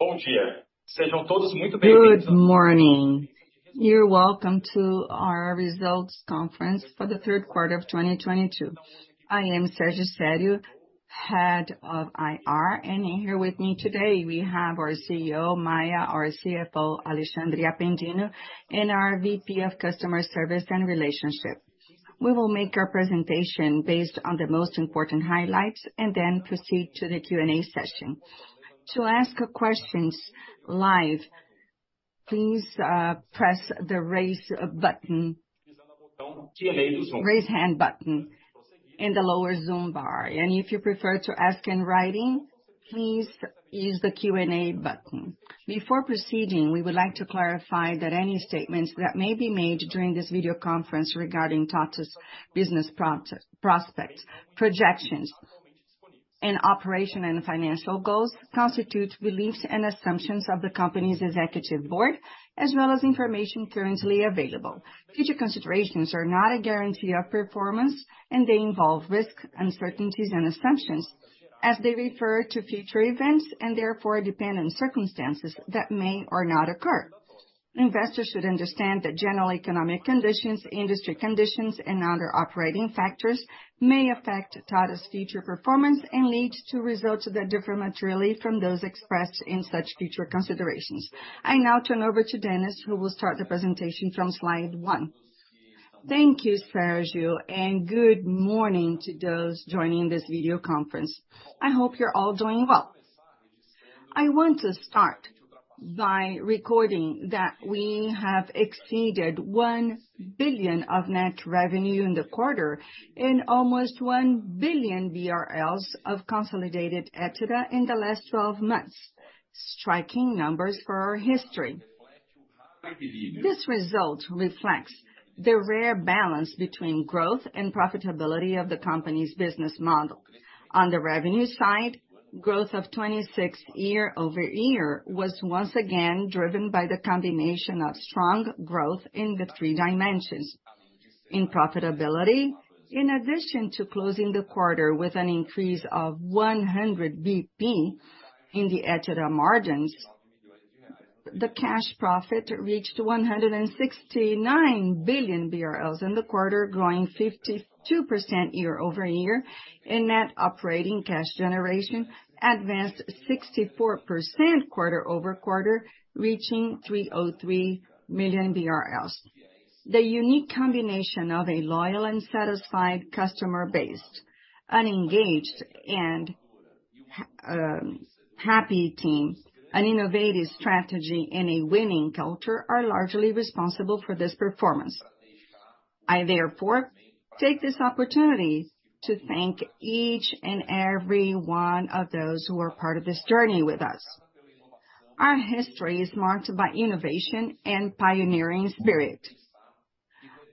Good morning. You're welcome to our results conference for the third quarter of 2022. I am Sérgio Sério, Head of IR, and here with me today we have our CEO, Gilsomar Maia, our CFO, Alexandre Apendino, and our VP of services and relationship. We will make our presentation based on the most important highlights and then proceed to the Q&A session. To ask questions live, please press the raise hand button in the lower Zoom bar. If you prefer to ask in writing, please use the Q&A button. Before proceeding, we would like to clarify that any statements that may be made during this video conference regarding TOTVS business prospects, projections, and operations and financial goals, constitute beliefs and assumptions of the company's executive board, as well as information currently available. Future considerations are not a guarantee of performance, and they involve risk, uncertainties, and assumptions as they refer to future events and therefore depend on circumstances that may or may not occur. Investors should understand that general economic conditions, industry conditions, and other operating factors may affect TOTVS's future performance and lead to results that differ materially from those expressed in such future considerations. I now turn over to Dennis, who will start the presentation from slide one. Thank you, Sérgio, and good morning to those joining this video conference. I hope you're all doing well. I want to start by noting that we have exceeded 1 billion of net revenue in the quarter, and almost 1 billion BRL of consolidated EBITDA in the last 12 months. Striking numbers for our history. This result reflects the rare balance between growth and profitability of the company's business model. On the revenue side, growth of 26 year-over-year was once again driven by the combination of strong growth in the three dimensions. In profitability, in addition to closing the quarter with an increase of 100 basis points in the EBITDA margins, the cash profit reached 169 billion BRL in the quarter, growing 52% year-over-year, and net operating cash generation advanced 64% quarter-over-quarter, reaching 303 million BRL. The unique combination of a loyal and satisfied customer base, an engaged and happy team, an innovative strategy, and a winning culture are largely responsible for this performance. I therefore take this opportunity to thank each and every one of those who are part of this journey with us. Our history is marked by innovation and pioneering spirit.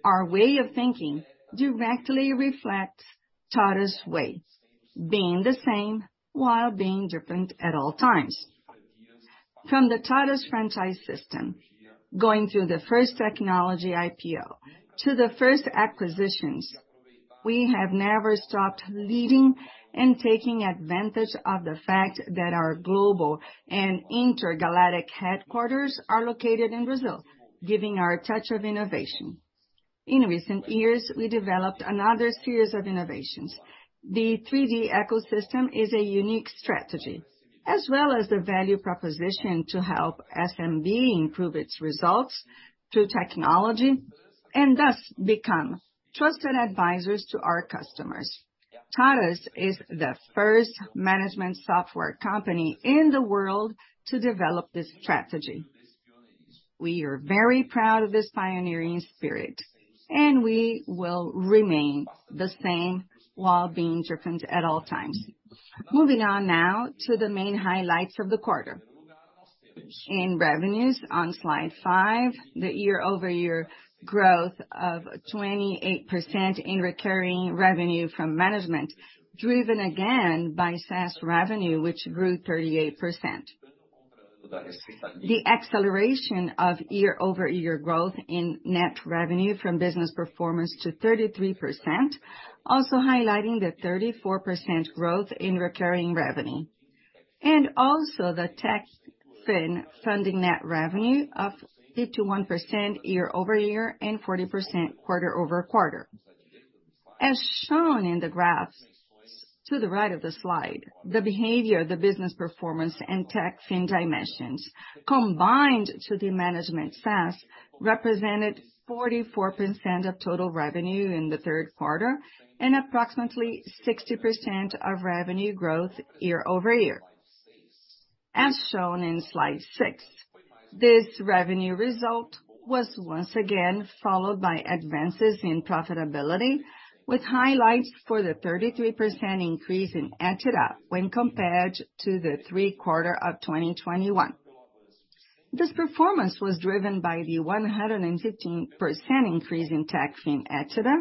Our way of thinking directly reflects TOTVS' way, being the same while being different at all times. From the TOTVS franchise system, going through the first technology IPO, to the first acquisitions, we have never stopped leading and taking advantage of the fact that our global and intergalactic headquarters are located in Brazil, giving our touch of innovation. In recent years, we developed another series of innovations. The 3D ecosystem is a unique strategy, as well as the value proposition to help SMB improve its results through technology, and thus become trusted advisors to our customers. TOTVS is the first management software company in the world to develop this strategy. We are very proud of this pioneering spirit, and we will remain the same while being different at all times. Moving on now to the main highlights of the quarter. In revenues on slide five, the year-over-year growth of 28% in recurring revenue from management, driven again by SaaS revenue, which grew 38%. The acceleration of year-over-year growth in net revenue from business performance to 33%, also highlighting the 34% growth in recurring revenue. The TechFin funding net revenue of 51% year-over-year and 40% quarter-over-quarter. As shown in the graph to the right of the slide, the behavior of the business performance and TechFin dimensions, combined to the management SaaS, represented 44% of total revenue in the third quarter, and approximately 60% of revenue growth year-over-year. As shown in slide six, this revenue result was once again followed by advances in profitability, with highlights for the 33% increase in EBITDA when compared to the third quarter of 2021. This performance was driven by the 115% increase in TechFin EBITDA,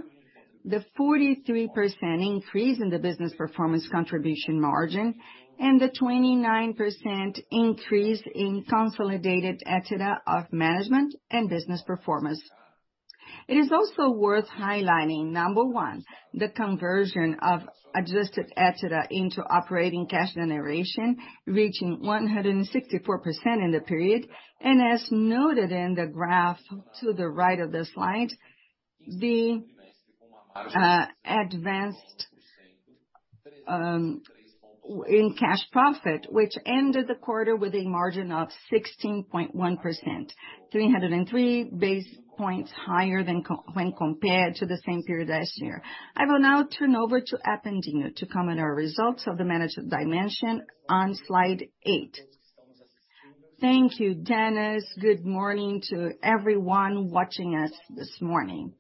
the 43% increase in the business performance contribution margin, and the 29% increase in consolidated EBITDA of management and business performance. It is also worth highlighting, number one, the conversion of adjusted EBITDA into operating cash generation, reaching 164% in the period. As noted in the graph to the right of the slide, the advance in cash profit, which ended the quarter with a margin of 16.1%, 303 basis points higher than when compared to the same period last year. I will now turn over to Apendino to comment on our results of the management dimension on slide eight. Thank you, Dennis. Good morning to everyone watching us this morning.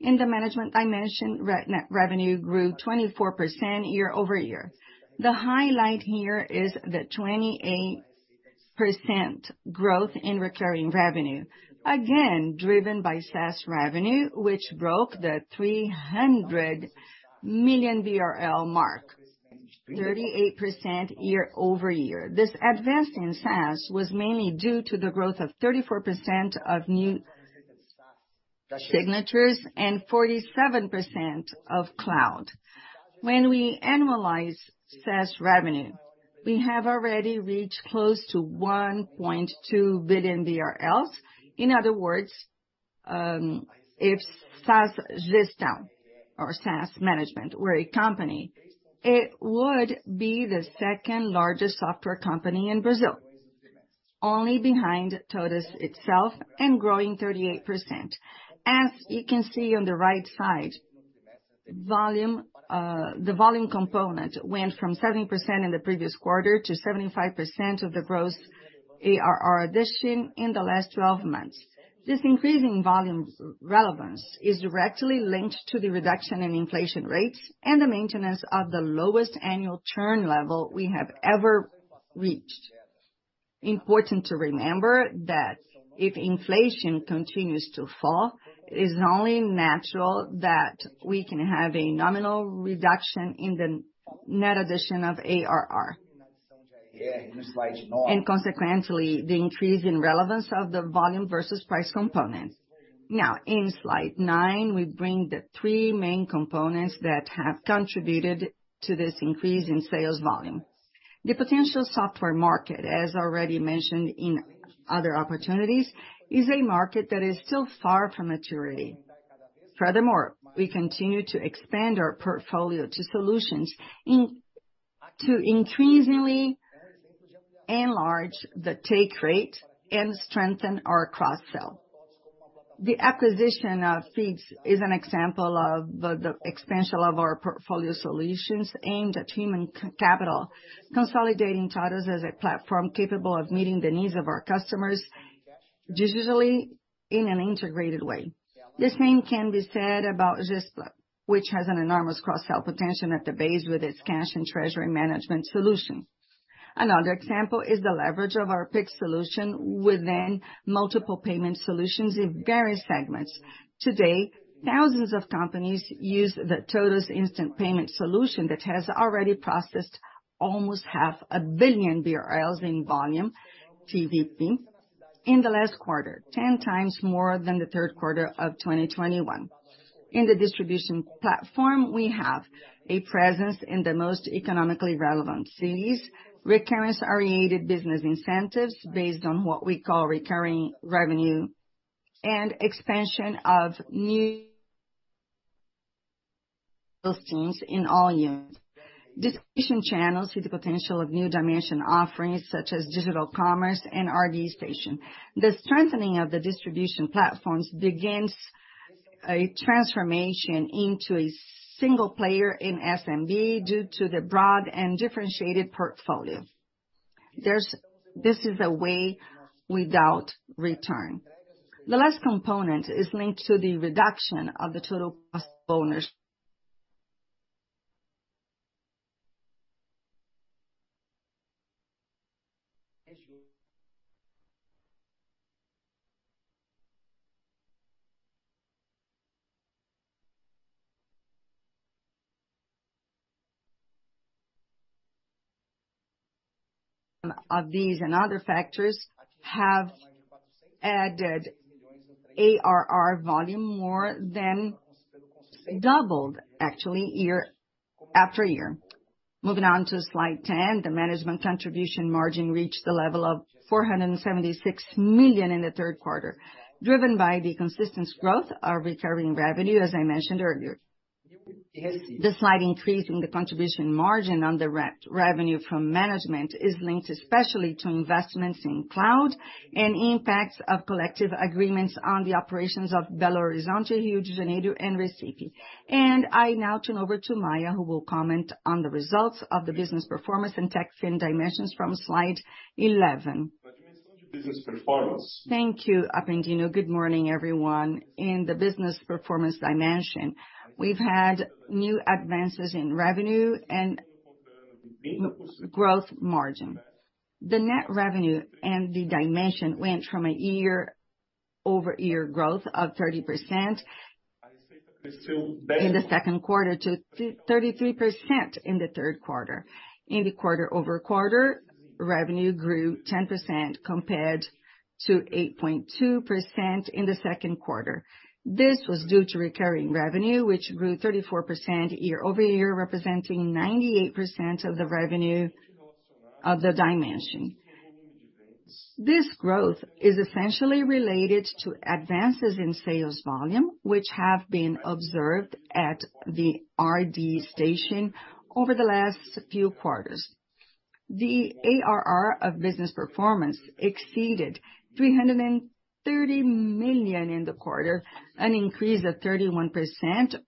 In the management dimension, net revenue grew 24% year-over-year. The highlight here is the 28% growth in recurring revenue, again driven by SaaS revenue, which broke the 300 million BRL mark, 38% year-over-year. This advance in SaaS was mainly due to the growth of 34% of new signatures and 47% of cloud. When we annualize SaaS revenue, we have already reached close to 1.2 billion BRL. In other words, if SaaS Zista or SaaS Management were a company, it would be the second-largest software company in Brazil. Only behind TOTVS itself and growing 38%. As you can see on the right side, volume, the volume component went from 7% in the previous quarter to 75% of the gross ARR addition in the last twelve months. This increase in volume's relevance is directly linked to the reduction in inflation rates and the maintenance of the lowest annual churn level we have ever reached. Important to remember that if inflation continues to fall, it is only natural that we can have a nominal reduction in the net addition of ARR. Consequently, the increase in relevance of the volume versus price component. Now, in slide nine, we bring the three main components that have contributed to this increase in sales volume. The potential software market, as already mentioned in other opportunities, is a market that is still far from maturity. Furthermore, we continue to expand our portfolio to increasingly enlarge the take rate and strengthen our cross-sell. The acquisition of Feedz is an example of the expansion of our portfolio solutions aimed at human capital, consolidating TOTVS as a platform capable of meeting the needs of our customers digitally in an integrated way. The same can be said about Zista, which has an enormous cross-sell potential at the base with its cash and treasury management solution. Another example is the leverage of our Pix solution within multiple payment solutions in various segments. Today, thousands of companies use the TOTVS instant payment solution that has already processed almost half a billion BRL in volume, TPV, in the last quarter. 10 times more than the third quarter of 2021. In the distribution platform, we have a presence in the most economically relevant cities. Recurrence-oriented business incentives based on what we call recurring revenue and expansion of new systems in all units. Distribution channels see the potential of new dimension offerings such as Digital Commerce and RD Station. The strengthening of the distribution platforms begins a transformation into a single player in SMB due to the broad and differentiated portfolio. This is a way without return. The last component is linked to the reduction of the total cost bonus. Of these and other factors have added ARR volume more than doubled actually year after year. Moving on to slide 10, the management contribution margin reached the level of 476 million in the third quarter, driven by the consistent growth of recurring revenue, as I mentioned earlier. The slight increase in the contribution margin on the revenue from management is linked especially to investments in cloud and impacts of collective agreements on the operations of Belo Horizonte, Rio de Janeiro, and Recife. I now turn over to Maia, who will comment on the results of the Business Performance and TechFin dimensions from slide 11. Business Performance. Thank you, Apendino. Good morning, everyone. In the Business Performance dimension, we've had new advances in revenue and gross margin. The net revenue in the dimension went from a year-over-year growth of 30%- In the second quarter to 33% in the third quarter. Quarter-over-quarter, revenue grew 10% compared to 8.2% in the second quarter. This was due to recurring revenue, which grew 34% year-over-year, representing 98% of the revenue of the dimension. This growth is essentially related to advances in sales volume, which have been observed at the RD Station over the last few quarters. The ARR of Business Performance exceeded 330 million in the quarter, an increase of 31%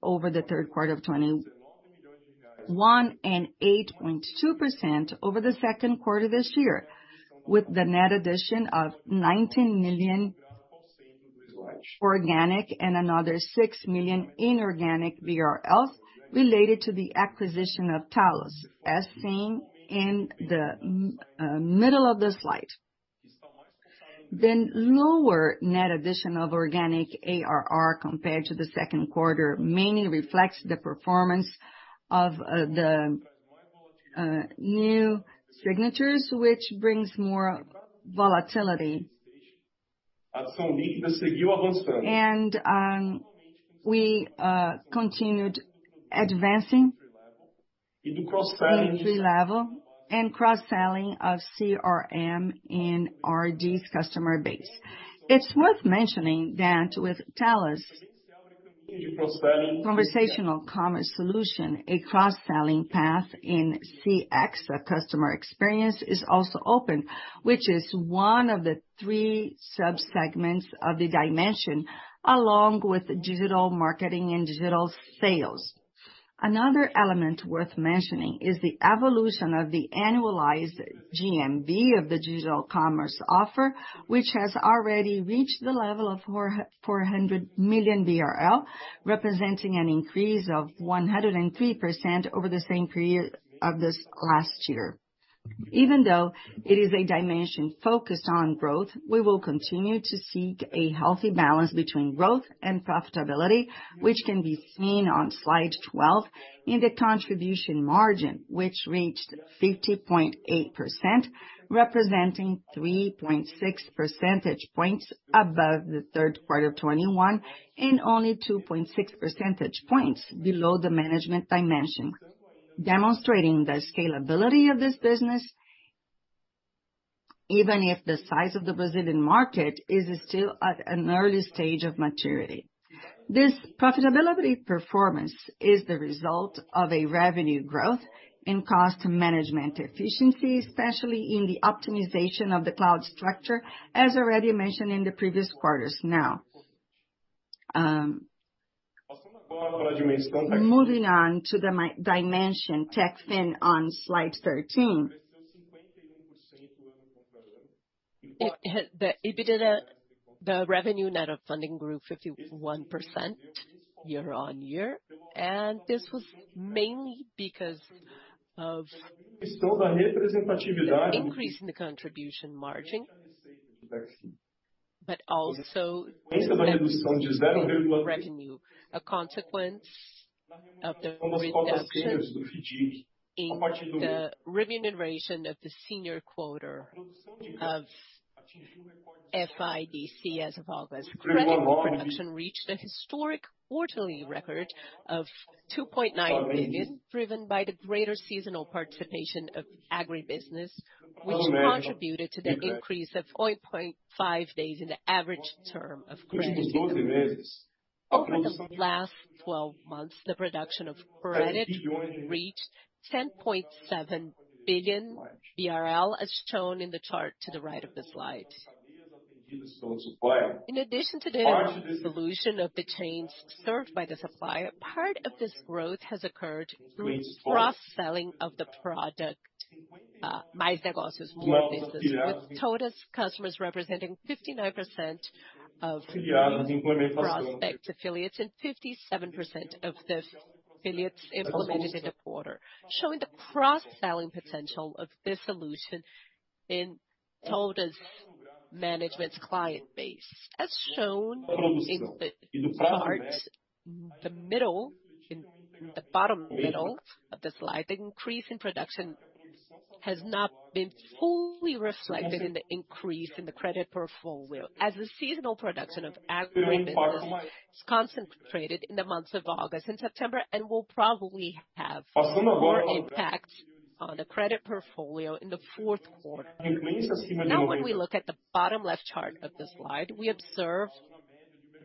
over the third quarter of 2021, and 8.2% over the second quarter this year. With the net addition of 19 million organic and another 6 million inorganic related to the acquisition of Tallos, as seen in the middle of the slide. The lower net addition of organic ARR compared to the second quarter mainly reflects the performance of the new signatures, which brings more volatility. We continued advancing in entry level and cross-selling of CRM in RD's customer base. It's worth mentioning that with Tallos conversational commerce solution, a cross-selling path in CX, customer experience, is also open, which is one of the three sub-segments of the dimension along with digital marketing and digital sales. Another element worth mentioning is the evolution of the annualized GMV of the digital commerce offer, which has already reached the level of 400 million BRL, representing an increase of 103% over the same period of this last year. Even though it is a dimension focused on growth, we will continue to seek a healthy balance between growth and profitability, which can be seen on slide 12 in the contribution margin, which reached 50.8%, representing 3.6 percentage points above the third quarter of 2021, and only 2.6 percentage points below the management dimension. Demonstrating the scalability of this business even if the size of the Brazilian market is still at an early stage of maturity. This profitability performance is the result of revenue growth and cost management efficiency, especially in the optimization of the cloud structure, as already mentioned in the previous quarters. Moving on to the third dimension, TechFin, on slide 13. The EBITDA, the revenue net of funding grew 51% year-on-year, and this was mainly because of the increase in the contribution margin, but also the revenue, a consequence of the reduction in the remuneration of the senior quota of FIDC as of August. Credit production reached a historic quarterly record of 2.9 billion, driven by the greater seasonal participation of agribusiness, which contributed to the increase of 0.5 days in the average term of credit. Over the last 12 months, the production of credit reached 10.7 billion BRL, as shown in the chart to the right of the slide. In addition to the resolution of the chains served by the supplier, part of this growth has occurred through cross-selling of the product, Mais Negócios, More Businesses, with TOTVS customers representing 59% of Mais Negócios prospects affiliates and 57% of the affiliates implemented in the quarter. Showing the cross-selling potential of this solution in TOTVS management's client base, as shown in the charts. In the bottom middle of the slide, the increase in production has not been fully reflected in the increase in the credit portfolio, as the seasonal production of agribusiness is concentrated in the months of August and September, and will probably have more impact on the credit portfolio in the fourth quarter. Now when we look at the bottom left chart of the slide, we observe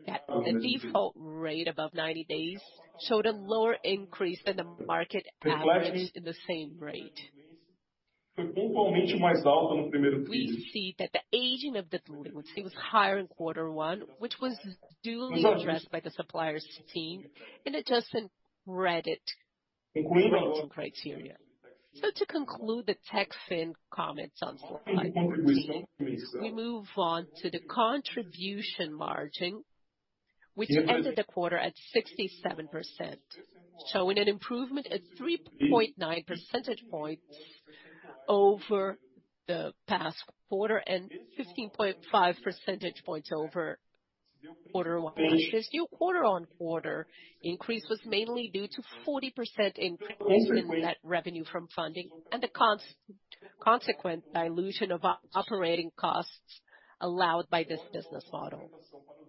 that the default rate above 90 days showed a lower increase than the market average in the same rate. We see that the aging of the delinquencies was higher in quarter one, which was duly addressed by the suppliers team in adjustment credit rating criteria. To conclude the TechFin comments on slide 13, we move on to the contribution margin, which ended the quarter at 67%, showing an improvement at 3.9 percentage points. Over the past quarter and 15.5 percentage points over quarter one. This new quarter-on-quarter increase was mainly due to 40% increase in net revenue from funding and the consequent dilution of operating costs allowed by this business model.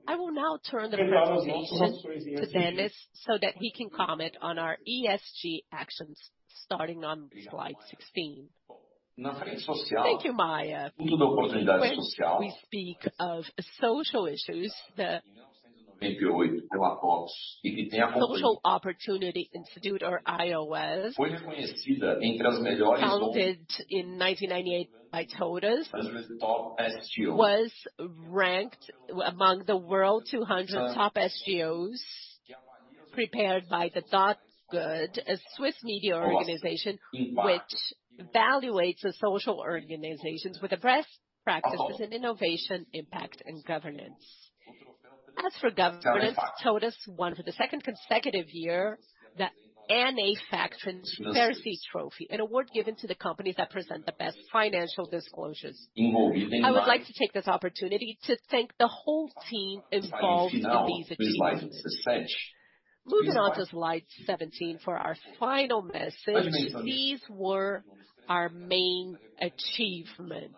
I will now turn the presentation to Dennis so that he can comment on our ESG actions, starting on slide 16. Thank you, Gilsomar Maia. When we speak of social issues, the Instituto de Oportunidade Social or IOS, founded in 1998 by TOTVS, was ranked among the world 200 top SGOs prepared by The Dot Good, a Swiss media organization which evaluates the social organizations with the best practices in innovation, impact, and governance. As for governance, TOTVS won for the second consecutive year the ANEFAC Transparency Trophy, an award given to the companies that present the best financial disclosures. I would like to take this opportunity to thank the whole team involved in these achievements. Moving on to slide 17 for our final message. These were our main achievements.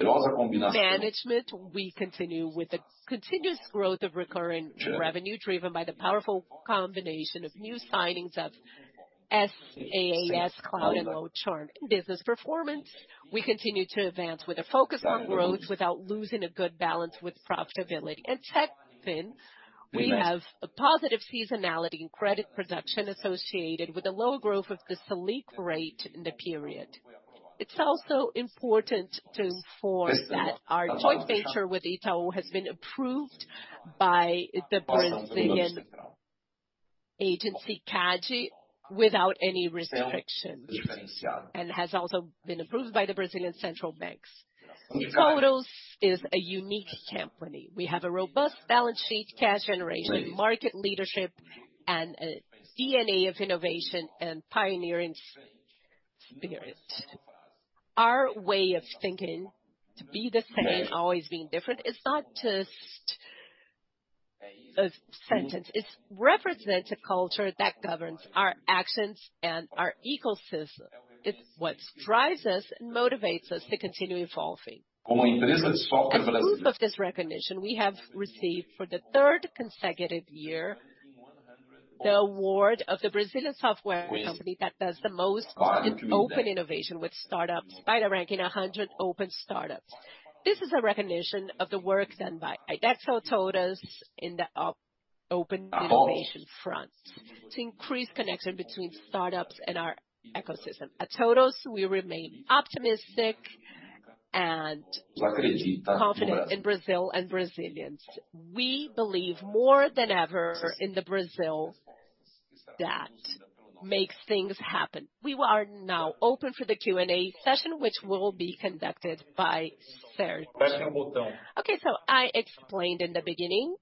Management, we continue with the continuous growth of recurring revenue driven by the powerful combination of new signings of SaaS, cloud and low churn business performance. We continue to advance with a focus on growth without losing a good balance with profitability. In TechFin, we have a positive seasonality in credit production associated with the low growth of the Selic rate in the period. It's also important to inform that our joint venture with Itaú has been approved by the Brazilian agency CADE without any restrictions, and has also been approved by the Brazilian Central Bank. TOTVS is a unique company. We have a robust balance sheet, cash generation, market leadership, and a DNA of innovation and pioneering spirit. Our way of thinking, to be the same, always being different, is not just a sentence. It's represent a culture that governs our actions and our ecosystem. It's what drives us and motivates us to continue evolving. As proof of this recognition we have received for the third consecutive year, the award of the Brazilian software company that does the most in open innovation with startups by the ranking 100 Open Startups. This is a recognition of the work done by iDexo, TOTVS, in the open innovation front to increase connection between startups and our ecosystem. At TOTVS, we remain optimistic and confident in Brazil and Brazilians. We believe more than ever in the Brazil that makes things happen. We are now open for the Q&A session, which will be conducted by Sérgio Sério. Okay, I explained in the beginning,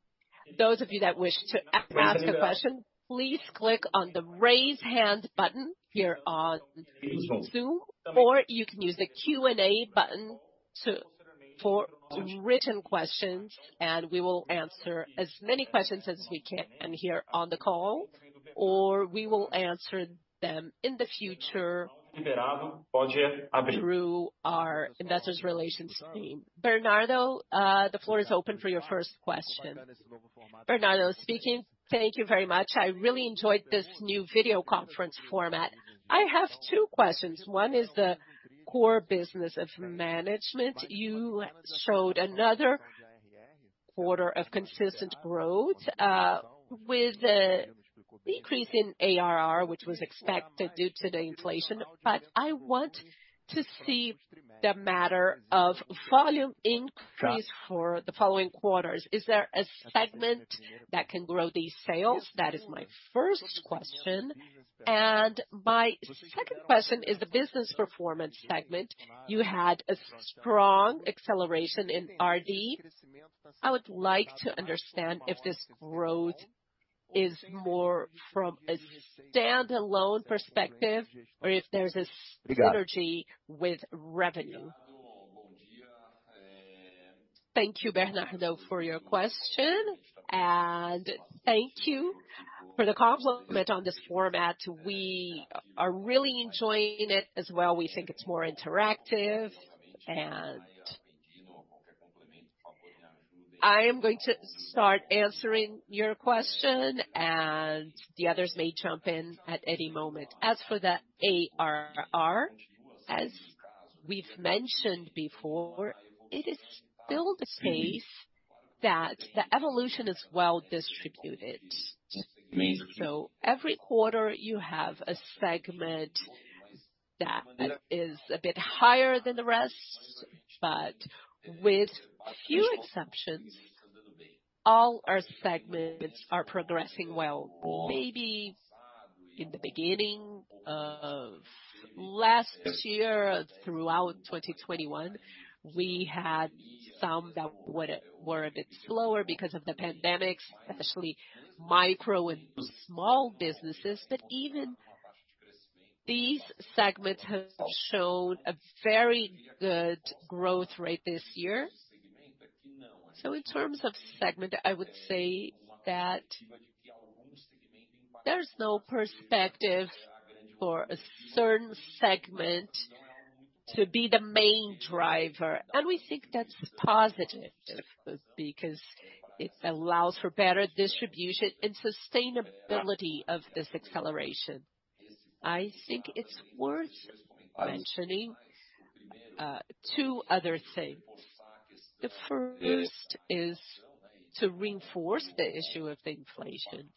those of you that wish to ask a question, please click on the Raise Hand button here on Zoom, or you can use the Q&A button for written questions, and we will answer as many questions as we can here on the call, or we will answer them in the future through our investor relations team. Leonardo, the floor is open for your first question. Leonardo speaking. Thank you very much. I really enjoyed this new video conference format. I have two questions. One is the core business of management. You showed another quarter of consistent growth, with a decrease in ARR, which was expected due to the inflation. I want to see the matter of volume increase for the following quarters. Is there a segment that can grow these sales? That is my first question. My second question is the business performance segment. You had a strong acceleration in RD. I would like to understand if this growth is more from a stand-alone perspective or if there's a synergy with revenue. Thank you, Leonardo, for your question, and thank you for the compliment on this format. We are really enjoying it as well. We think it's more interactive. I am going to start answering your question, and the others may jump in at any moment. As for the ARR, as we've mentioned before, it is still the case that the evolution is well distributed. Every quarter you have a segment that is a bit higher than the rest, but with few exceptions, all our segments are progressing well. Maybe in the beginning of last year, throughout 2021, we had some that were a bit slower because of the pandemic, especially micro and small businesses. Even these segments have showed a very good growth rate this year. In terms of segment, I would say that there's no perspective for a certain segment to be the main driver. We think that's positive because it allows for better distribution and sustainability of this acceleration. I think it's worth mentioning two other things. The first is to reinforce the issue of inflation.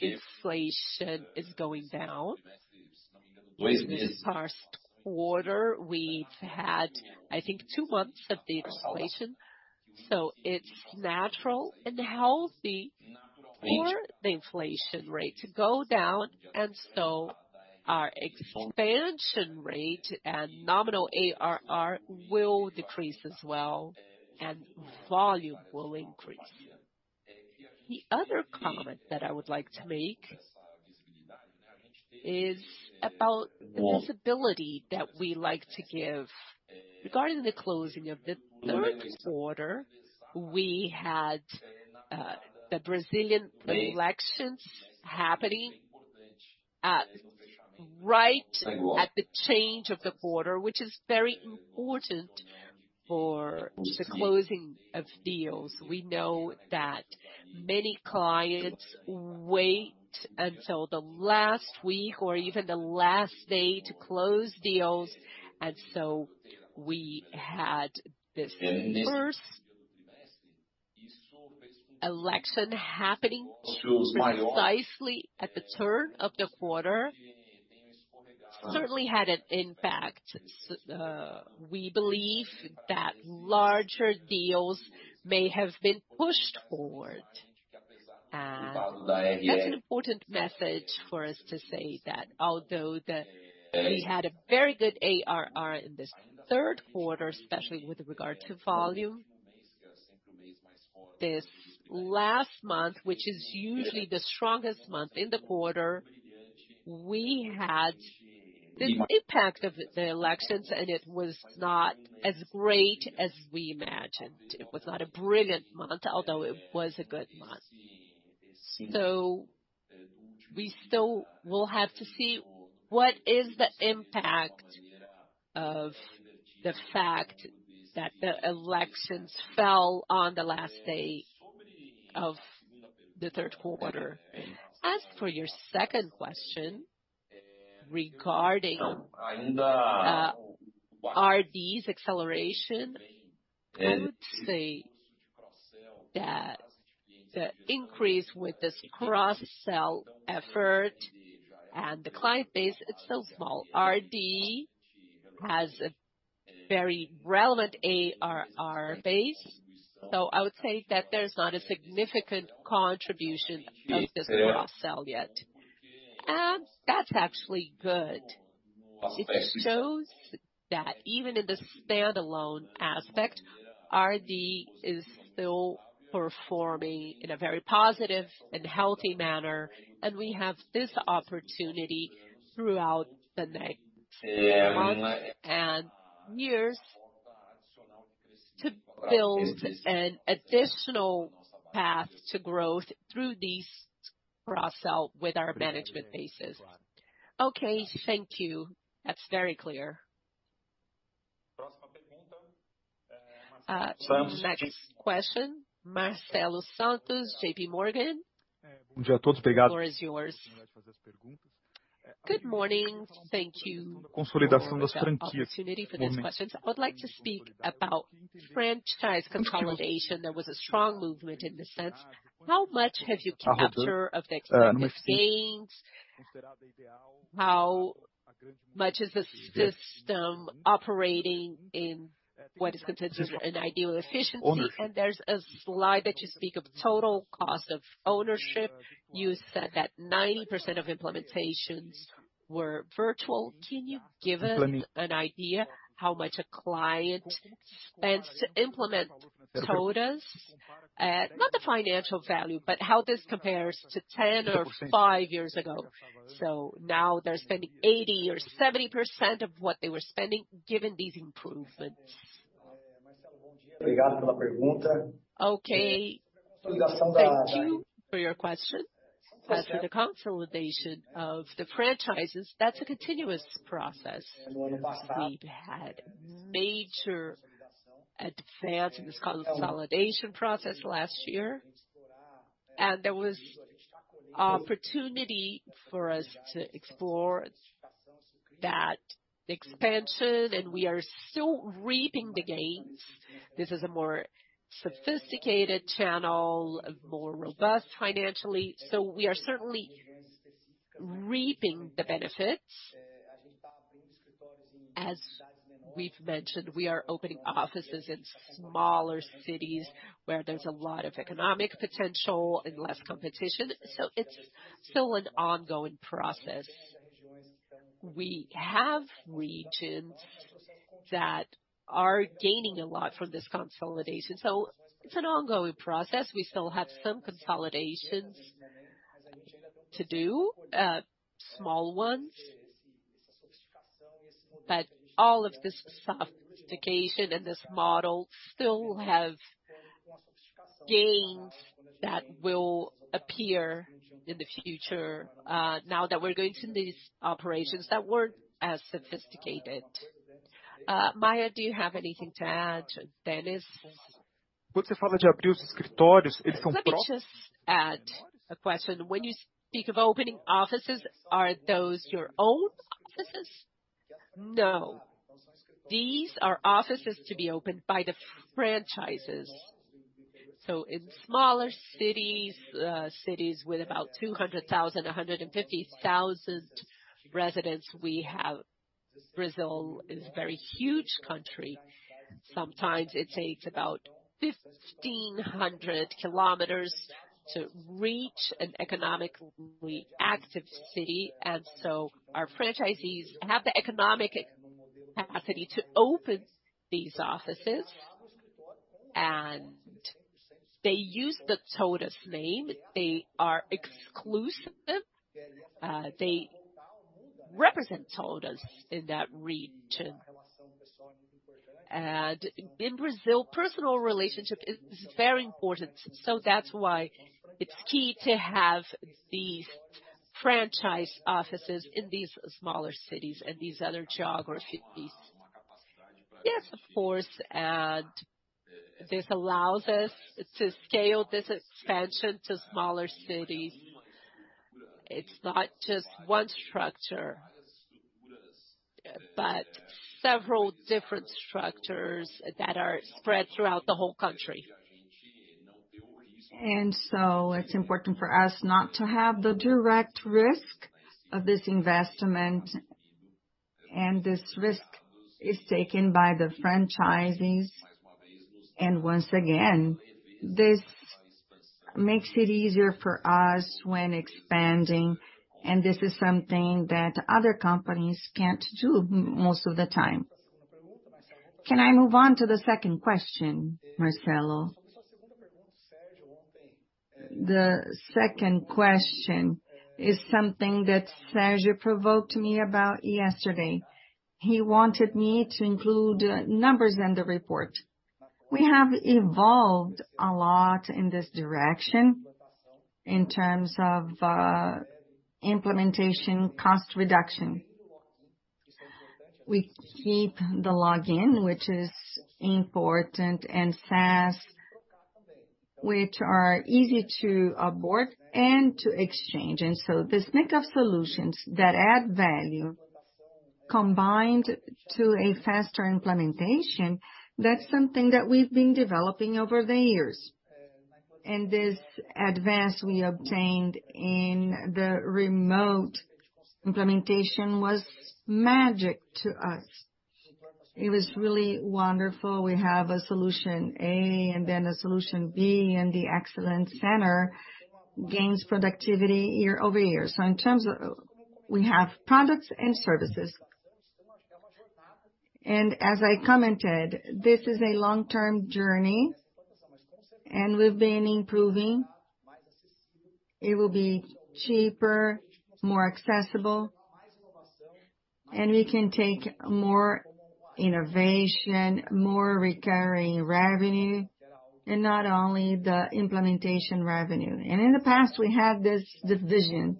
Inflation is going down. In this first quarter, we've had, I think, two months of disinflation, so it's natural and healthy for the inflation rate to go down, and so our expansion rate and nominal ARR will decrease as well and volume will increase. The other comment that I would like to make is about the visibility that we like to give. Regarding the closing of the third quarter, we had the Brazilian elections happening at the change of the quarter, which is very important for the closing of deals. We know that many clients wait until the last week or even the last day to close deals, and so we had this first election happening precisely at the turn of the quarter. Certainly had an impact. We believe that larger deals may have been pushed forward. That's an important message for us to say that although we had a very good ARR in this third quarter, especially with regard to volume. This last month, which is usually the strongest month in the quarter, we had the impact of the elections, and it was not as great as we imagined. It was not a brilliant month, although it was a good month. We still will have to see what is the impact of the fact that the elections fell on the last day of the third quarter. As for your second question regarding RD's acceleration, I would say that the increase with this cross-sell effort and the client base is so small. RD has a very relevant ARR base. I would say that there's not a significant contribution of this cross-sell yet. That's actually good. It shows that even in the standalone aspect, RD is still performing in a very positive and healthy manner, and we have this opportunity throughout the next months and years to build an additional path to growth through these cross-sell with our management bases. Okay, thank you. That's very clear. Next question, Marcelo Santos, JPMorgan. Good morning. Thank you for the opportunity for these questions. I would like to speak about franchise consolidation. There was a strong movement in this sense. How much have you captured of the gains? How much is the system operating in what is considered an ideal efficiency? And there's a slide that you speak of total cost of ownership. You said that 90% of implementations were virtual. Can you give an idea how much a client spends to implement TOTVS? Not the financial value, but how this compares to 10 or five years ago. Now they're spending 80% or 70% of what they were spending given these improvements. Okay. Thank you for your question. As for the consolidation of the franchises, that's a continuous process. We've had major advance in this consolidation process last year, and there was opportunity for us to explore that expansion, and we are still reaping the gains. This is a more sophisticated channel, more robust financially, so we are certainly reaping the benefits. As we've mentioned, we are opening offices in smaller cities where there's a lot of economic potential and less competition, so it's still an ongoing process. We have regions that are gaining a lot from this consolidation, so it's an ongoing process. We still have some consolidations to do, small ones. But all of this sophistication and this model still have gains that will appear in the future, now that we're going to these operations that weren't as sophisticated. Maia, do you have anything to add? Dennis? Let me just add a question. When you speak of opening offices, are those your own offices? No. These are offices to be opened by the franchises. In smaller cities with about 200,000, 150,000 residents, Brazil is very huge country. Sometimes it takes about 1,500 kilometers to reach an economically active city. Our franchisees have the economic capacity to open these offices. They use the TOTVS name. They are exclusive. They represent TOTVS in that region. In Brazil, personal relationship is very important. That's why it's key to have these franchise offices in these smaller cities and these other geographies. Yes, of course. This allows us to scale this expansion to smaller cities. It's not just one structure, but several different structures that are spread throughout the whole country. It's important for us not to have the direct risk of this investment. This risk is taken by the franchisors. Once again, this makes it easier for us when expanding. This is something that other companies can't do most of the time. Can I move on to the second question, Marcelo? The second question is something that Sérgio poked me about yesterday. He wanted me to include numbers in the report. We have evolved a lot in this direction in terms of implementation cost reduction. We keep the low TCO, which is important and fast, which are easy to onboard and to exchange. The suite of solutions that add value combined to a faster implementation, that's something that we've been developing over the years. This advance we obtained in the remote implementation was magic to us. It was really wonderful. We have a solution A and then a solution B, and the excellence center gains productivity year over year. We have products and services. As I commented, this is a long-term journey, and we've been improving. It will be cheaper, more accessible, and we can take more innovation, more recurring revenue, and not only the implementation revenue. In the past, we had this division.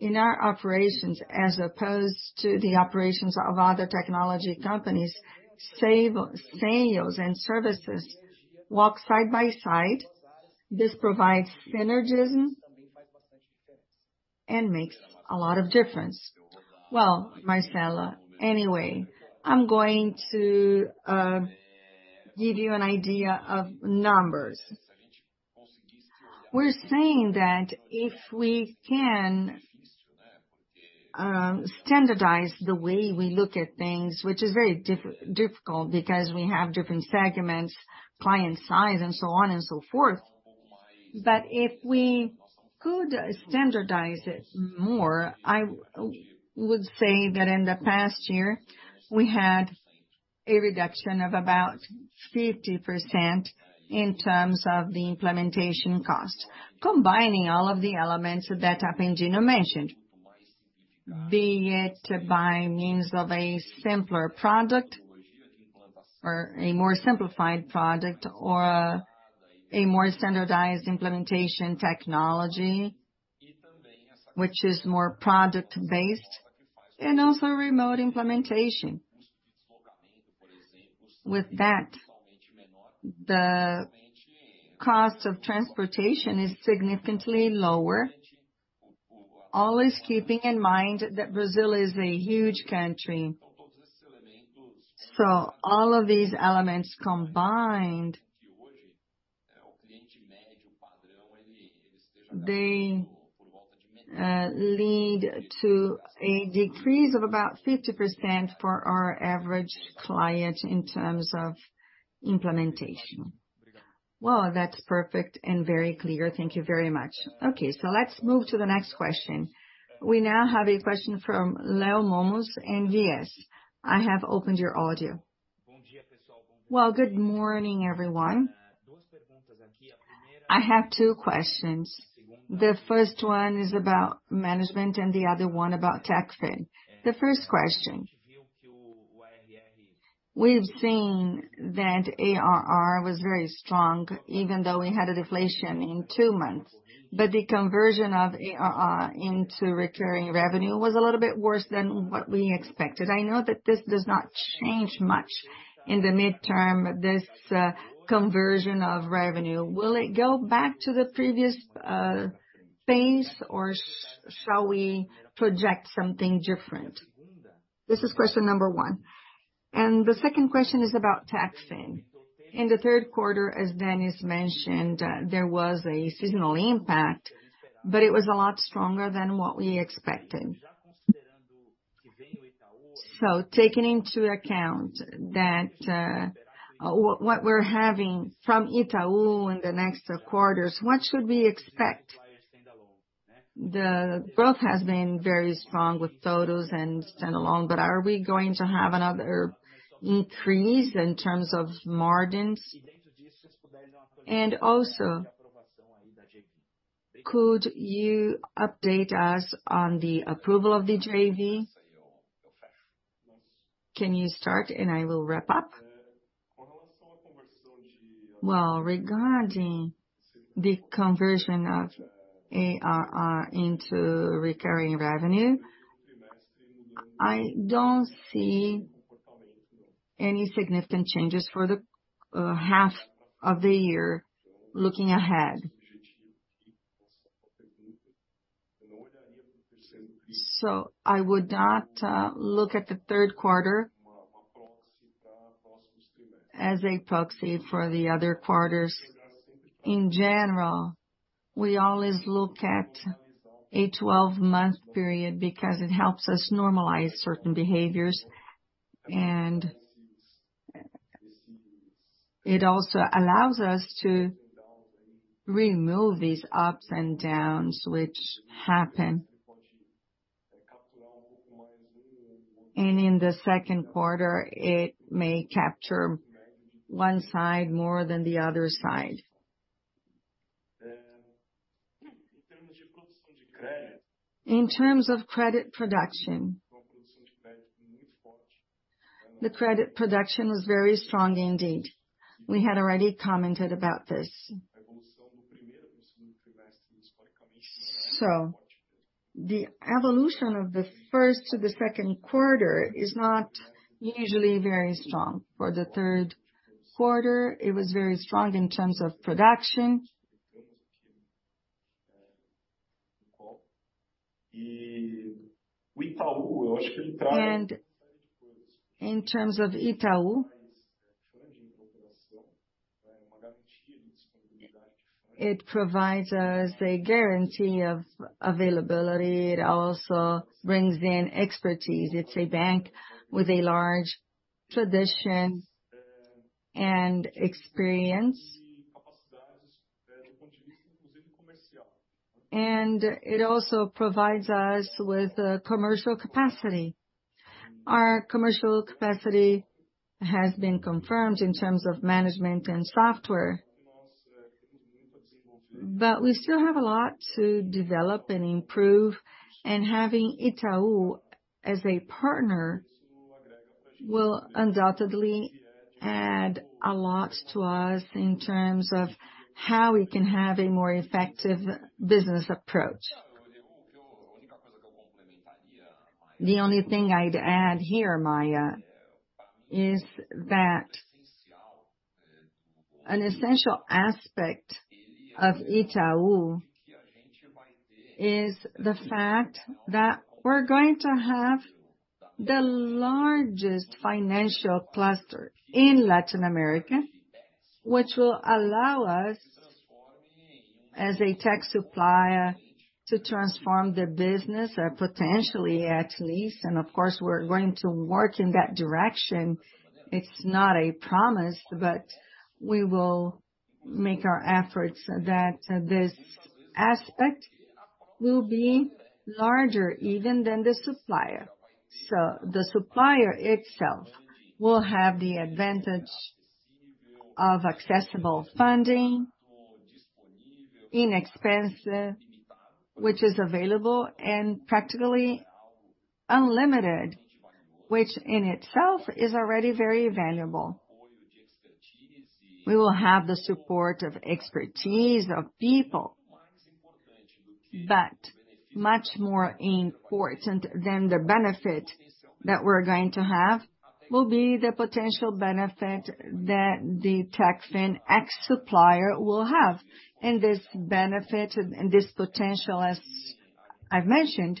In our operations as opposed to the operations of other technology companies, sales and services walk side by side. This provides synergism and makes a lot of difference. Well, Marcelo, anyway, I'm going to give you an idea of numbers. We're saying that if we can standardize the way we look at things, which is very difficult because we have different segments, client size and so on and so forth. If we could standardize it more, I would say that in the past year, we had a reduction of about 50% in terms of the implementation cost, combining all of the elements that Apendino mentioned. Be it by means of a simpler product or a more simplified product or a more standardized implementation technology, which is more product-based and also remote implementation. With that, the cost of transportation is significantly lower. Always keeping in mind that Brazil is a huge country. All of these elements combined, they lead to a decrease of about 50% for our average client in terms of implementation. Well, that's perfect and very clear. Thank you very much. Okay, let's move to the next question. We now have a question from Leonardo Olmos in UBS. I have opened your audio. Well, good morning, everyone. I have two questions. The first one is about Management and the other one about TechFin. The first question, we've seen that ARR was very strong even though we had a deflation in two months. But the conversion of ARR into recurring revenue was a little bit worse than what we expected. I know that this does not change much in the medium term, this conversion of revenue. Will it go back to the previous pace, or shall we project something different? This is question number one. The second question is about TechFin. In the third quarter, as Dennis mentioned, there was a seasonal impact, but it was a lot stronger than what we expected. Taking into account that, what we're having from Itaú in the next quarters, what should we expect? The growth has been very strong with TOTVS and standalone, but are we going to have another increase in terms of margins? Also, could you update us on the approval of the JV? Can you start and I will wrap up? Well, regarding the conversion of ARR into recurring revenue, I don't see any significant changes for the half of the year looking ahead. I would not look at the third quarter as a proxy for the other quarters. In general, we always look at a 12-month period because it helps us normalize certain behaviors, and it also allows us to remove these ups and downs which happen. In the second quarter, it may capture one side more than the other side. In terms of credit production, the credit production was very strong indeed. We had already commented about this. The evolution of the first to the second quarter is not usually very strong. For the third quarter, it was very strong in terms of production. In terms of Itaú, it provides us a guarantee of availability. It also brings in expertise. It's a bank with a large tradition and experience. It also provides us with commercial capacity. Our commercial capacity has been confirmed in terms of management and software. We still have a lot to develop and improve, and having Itaú as a partner will undoubtedly add a lot to us in terms of how we can have a more effective business approach. The only thing I'd add here, Maia, is that an essential aspect of Itaú is the fact that we're going to have the largest financial cluster in Latin America, which will allow us, as a tech supplier, to transform the business, potentially at least. Of course, we're going to work in that direction. It's not a promise, but we will make our efforts that this aspect will be larger even than the supplier. The supplier itself will have the advantage of accessible funding, inexpensive, which is available and practically unlimited, which in itself is already very valuable. We will have the support of expertise of people. Much more important than the benefit that we're going to have will be the potential benefit that the TechFin ecosystem will have. This benefit and this potential, as I've mentioned,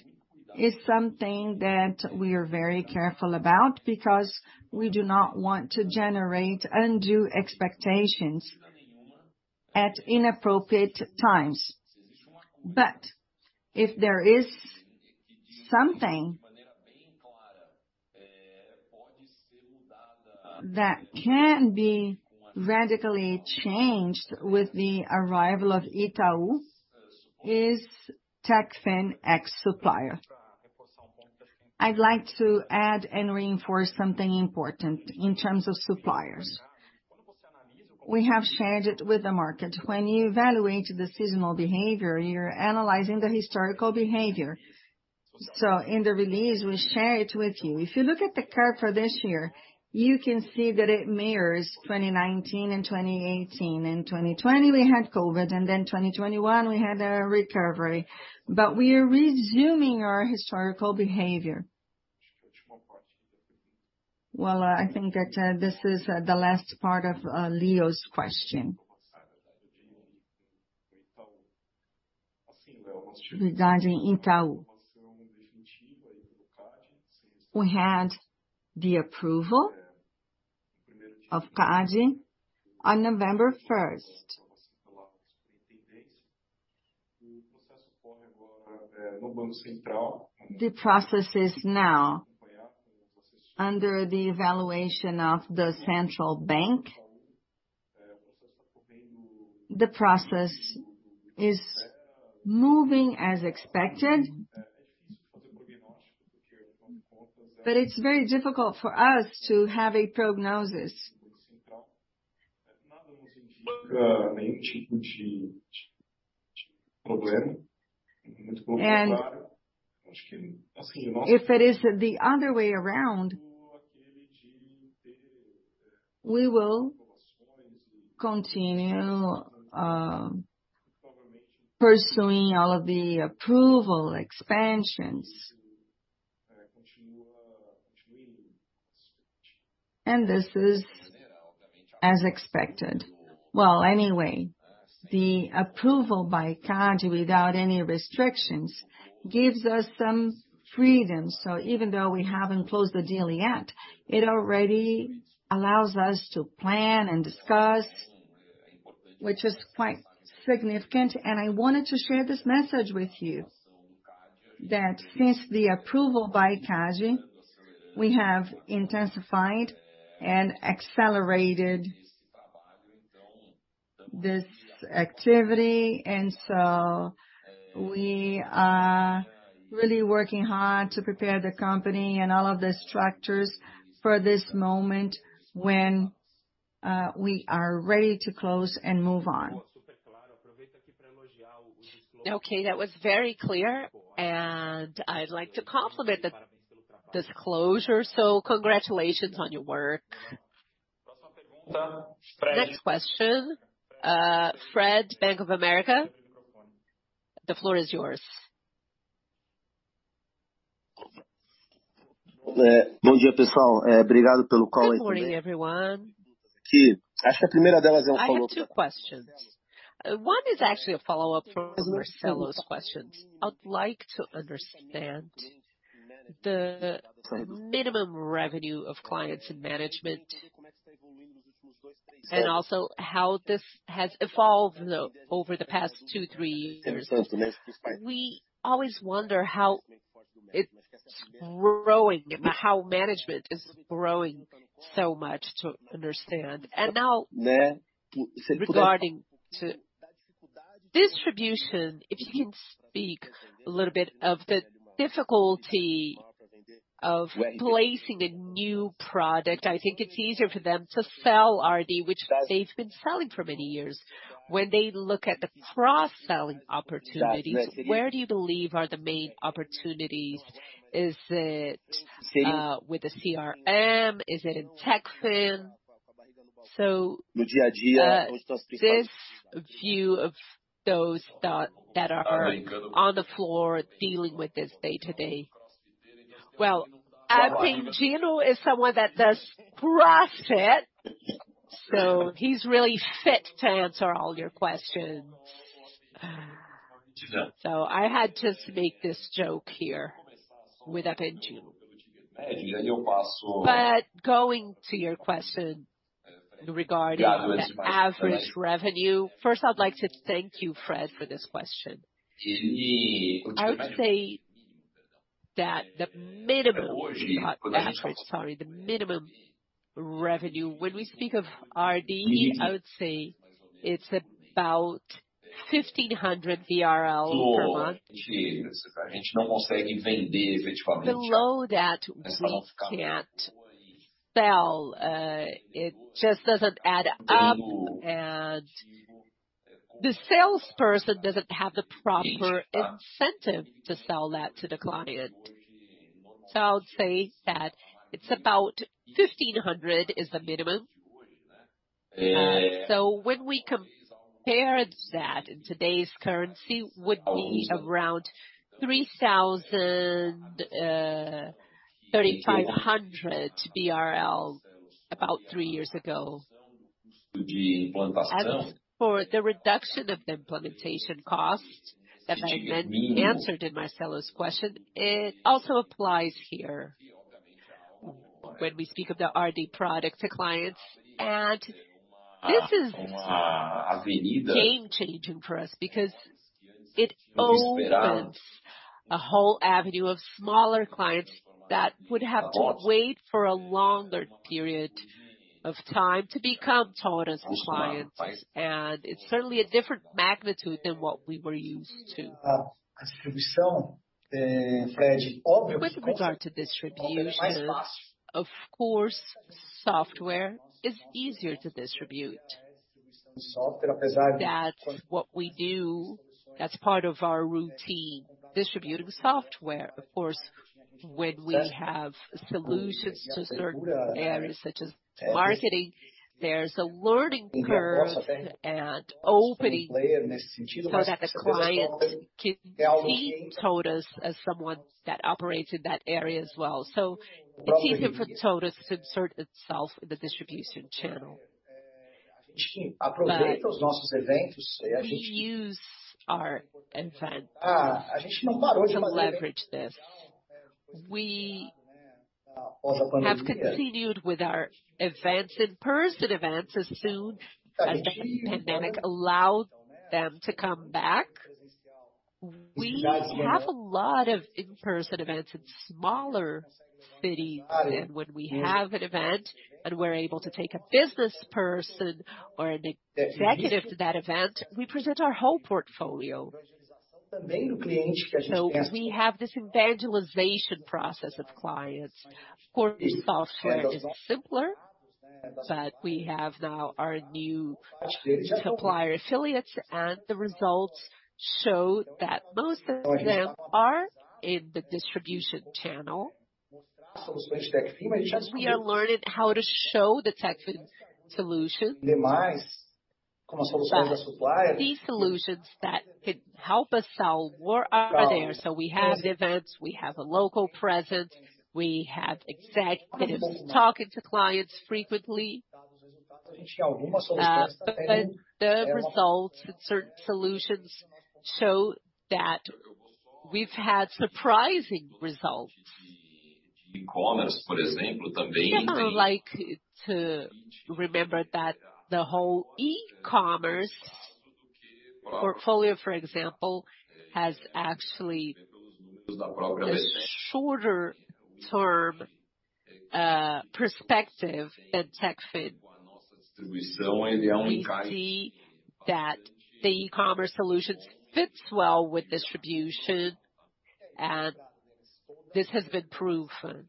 is something that we are very careful about because we do not want to generate undue expectations at inappropriate times. If there is something that can be radically changed with the arrival of Itaú, it's TechFin ecosystem. I'd like to add and reinforce something important in terms of suppliers. We have shared it with the market. When you evaluate the seasonal behavior, you're analyzing the historical behavior. In the release, we share it with you. If you look at the curve for this year, you can see that it mirrors 2019 and 2018. In 2020, we had COVID, and then 2021 we had a recovery. We are resuming our historical behavior. Well, I think that this is the last part of Leo's question. We had the approval of CADE on November 1. The process is now under the evaluation of the central bank. The process is moving as expected. It's very difficult for us to have a prognosis. If it is the other way around, we will continue pursuing all of the approval expansions. This is as expected. Well, anyway, the approval by CADE without any restrictions gives us some freedom. Even though we haven't closed the deal yet, it already allows us to plan and discuss, which is quite significant. I wanted to share this message with you that since the approval by CADE, we have intensified and accelerated this activity. We are really working hard to prepare the company and all of the structures for this moment when we are ready to close and move on. Okay, that was very clear, and I'd like to compliment the disclosure, so congratulations on your work. Next question, Fred, Bank of America. The floor is yours. Good morning, everyone. I have two questions. One is actually a follow-up from Marcelo's questions. I'd like to understand the minimum revenue of clients in management, and also how this has evolved over the past two, three years. We always wonder how it's growing, how management is growing so much to understand. Now regarding to distribution, if you can speak a little bit of the difficulty of placing a new product. I think it's easier for them to sell RD, which they've been selling for many years. When they look at the cross-selling opportunities, where do you believe are the main opportunities? Is it with the CRM? Is it in TechFin? This view of those that are on the floor dealing with this day to day. Well, I think Gino is someone that does CrossFit, so he's really fit to answer all your questions. I had to make this joke here with Gino. Going to your question regarding the average revenue. First, I'd like to thank you, Fred, for this question. I would say that the minimum revenue, when we speak of RD, I would say it's about 1,500 per month. Below that we can't sell. It just doesn't add up, and the salesperson doesn't have the proper incentive to sell that to the client. I would say that it's about 1,500 is the minimum. When we compared that in today's currency would be around 3,000-3,500 BRL about three years ago. As for the reduction of the implementation costs that I mentioned in Marcelo's question, it also applies here when we speak of the RD product to clients. This is game-changing for us because It opens a whole avenue of smaller clients that would have to wait for a longer period of time to become TOTVS clients. It's certainly a different magnitude than what we were used to. With regard to distribution, of course, software is easier to distribute. That's what we do. That's part of our routine, distributing software. Of course, when we have solutions to certain areas such as marketing, there's a learning curve and opening so that the clients can see TOTVS as someone that operates in that area as well. The key here for TOTVS is to insert itself in the distribution channel. We use our events to leverage this. We have continued with our events, in-person events, as soon as the pandemic allowed them to come back. We have a lot of in-person events in smaller cities. When we have an event and we're able to take a business person or an executive to that event, we present our whole portfolio. We have this evangelization process of clients. Of course, software is simpler, but we have now our new supplier affiliates, and the results show that most of them are in the distribution channel. Because we are learning how to show the TechFin solutions. But these solutions that could help us sell are there. We have events, we have a local presence, we have executives talking to clients frequently. But the results in certain solutions show that we've had surprising results. I kind of like to remember that the whole e-commerce portfolio, for example, has actually this shorter term perspective at TechFin. We see that the e-commerce solutions fits well with distribution, and this has been proven.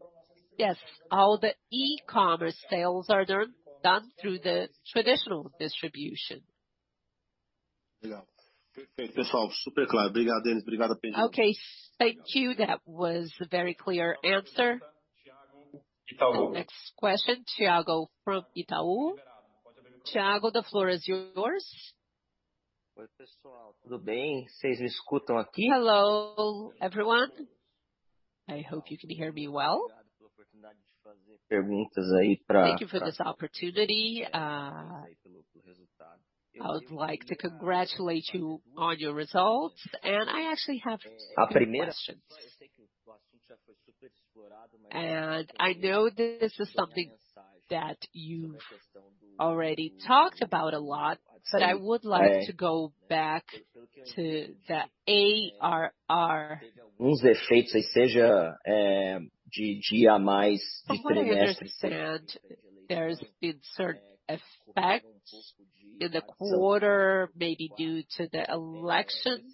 Yes, all the e-commerce sales are done through the traditional distribution. Okay. Thank you. That was a very clear answer. Next question, Thiago Kapulskis from Itaú. Tiago, the floor is yours. Hello, everyone. I hope you can hear me well. Thank you for this opportunity. I would like to congratulate you on your results, and I actually have two questions. I know this is something that you've already talked about a lot, but I would like to go back to the ARR. I wanna understand, there's been certain effects in the quarter, maybe due to the elections,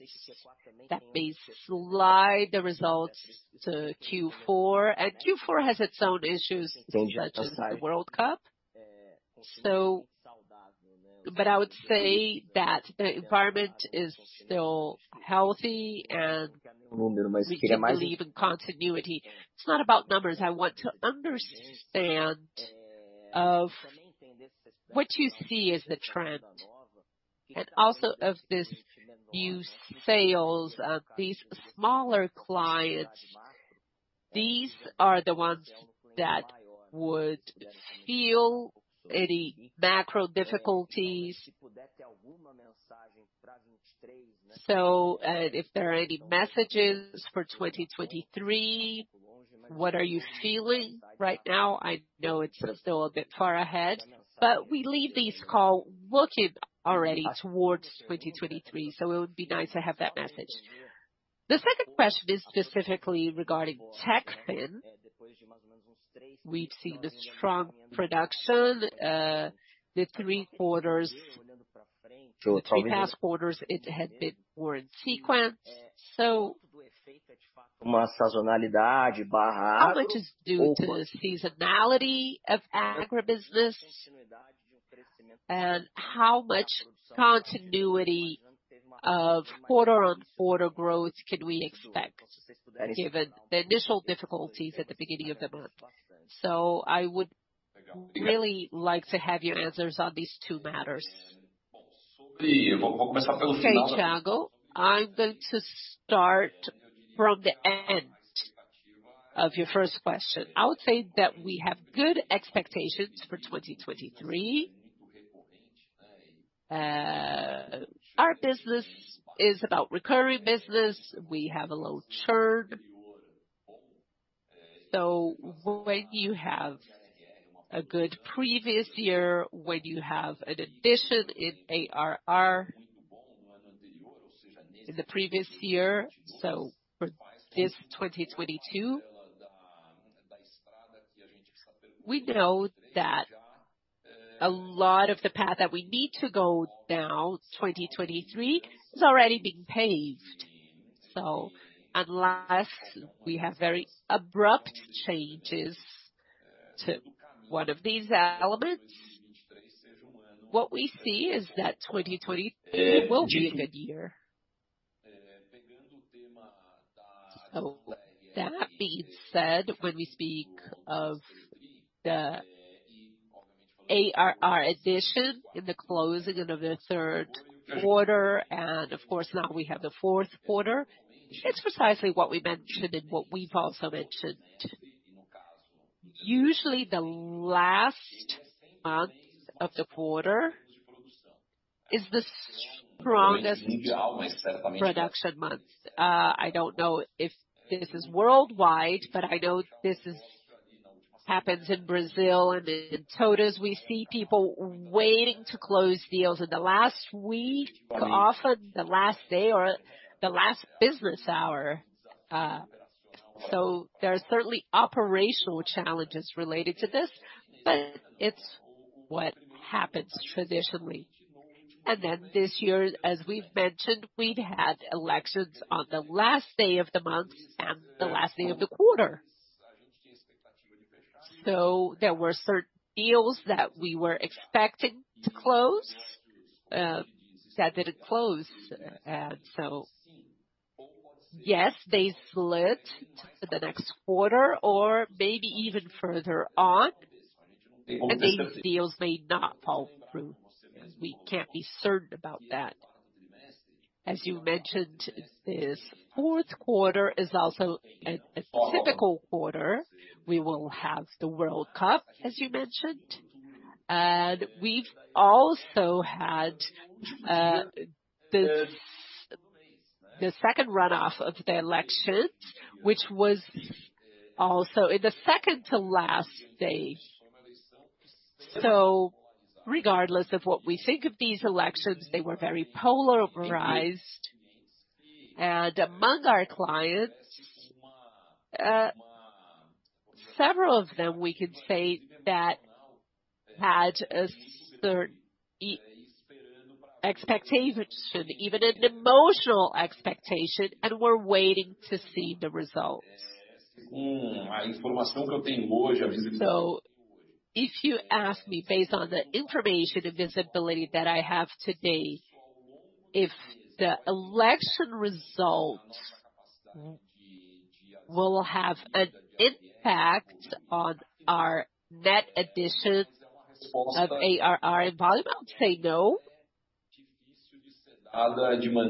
that may slide the results to Q4. Q4 has its own issues, such as the World Cup. But I would say that the environment is still healthy and we can believe in continuity. It's not about numbers. I want to understand of what you see as the trend, and also of this new sales of these smaller clients. These are the ones that would feel any macro difficulties. If there are any messages for 2023, what are you feeling right now? I know it's still a bit far ahead, but we leave this call looking already towards 2023, so it would be nice to have that message. The second question is specifically regarding TechFin. We've seen the strong production, the three past quarters, it had been more in sequence. How much is due to the seasonality of agribusiness? And how much continuity of quarter-on-quarter growth can we expect, given the initial difficulties at the beginning of the month? I would really like to have your answers on these two matters. Okay, Tiago, I'm going to start from the end of your first question. I would say that we have good expectations for 2023. Our business is about recurring business. We have a low churn. When you have a good previous year, when you have an addition in ARR in the previous year, for this 2022, we know that a lot of the path that we need to go down 2023 has already been paved. Unless we have very abrupt changes to one of these elements, what we see is that 2023 will be a good year. With that being said, when we speak of the ARR addition in the closing of the third quarter, and of course, now we have the fourth quarter, it's precisely what we mentioned and what we've also mentioned. Usually, the last month of the quarter is the strongest production month. I don't know if this is worldwide, but I know this happens in Brazil and in TOTVS. We see people waiting to close deals in the last week, often the last day or the last business hour. There are certainly operational challenges related to this, but it's what happens traditionally. This year, as we've mentioned, we've had elections on the last day of the month and the last day of the quarter. There were deals that we were expecting to close that didn't close. Yes, they split to the next quarter or maybe even further on. The deals may not fall through, and we can't be certain about that. As you mentioned, this fourth quarter is also a typical quarter. We will have the World Cup, as you mentioned. We've also had the second runoff of the elections, which was also in the second to last day. Regardless of what we think of these elections, they were very polarized. Among our clients, several of them we can say that had a certain expectation, even an emotional expectation, and were waiting to see the results. If you ask me, based on the information and visibility that I have today, if the election results will have an impact on our net additions of ARR volume, I would say no. It's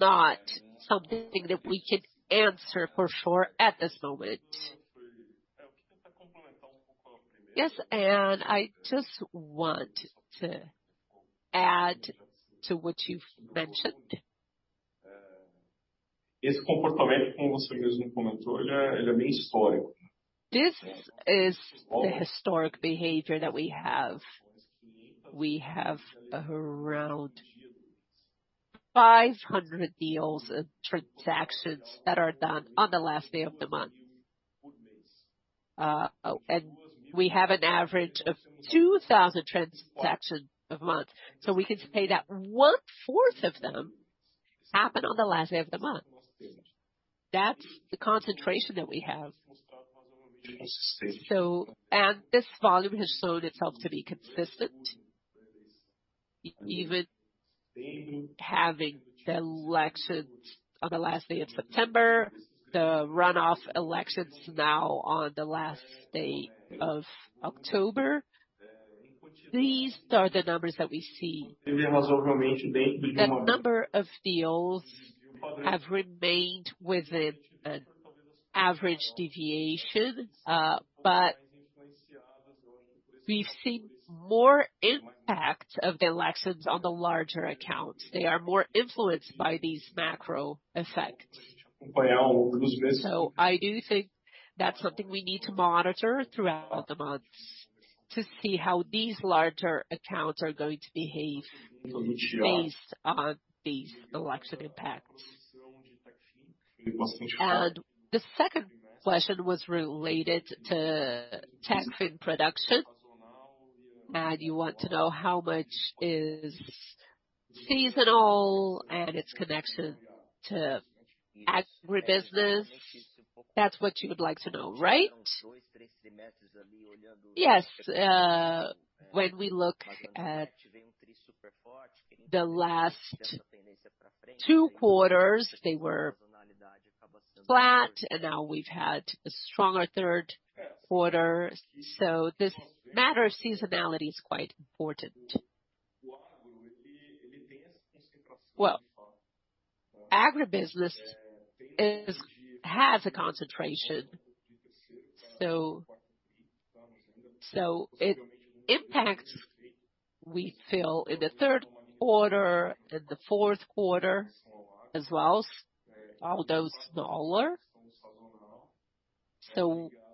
not something that we can answer for sure at this moment. Yes, I just want to add to what you've mentioned. This is the historic behavior that we have We have around 500 deals and transactions that are done on the last day of the month. We have an average of 2,000 transactions a month. We can say that one-fourth of them happen on the last day of the month. That's the concentration that we have. This volume has shown itself to be consistent. Even having the elections on the last day of September, the runoff elections now on the last day of October, these are the numbers that we see. The number of deals have remained within an average deviation, but we've seen more impact of the elections on the larger accounts. They are more influenced by these macro effects. I do think that's something we need to monitor throughout the months to see how these larger accounts are going to behave based on these election impacts. The second question was related to TechFin production. You want to know how much is seasonal and it's connected to agribusiness. That's what you would like to know, right? Yes. When we look at the last two quarters, they were flat, and now we've had a stronger third quarter. This matter of seasonality is quite important. Well, agribusiness has a concentration. It impacts, we feel, in the third quarter, in the fourth quarter as well, although smaller.